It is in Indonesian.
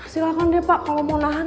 silahkan deh pak kalau mau lahan